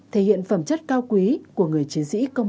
thể hiện phẩm chất cao quý của người chiến sĩ công an nhân dân việt nam